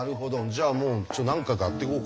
じゃあもうちょっと何回かやっていこうか。